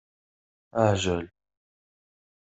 Aɛjel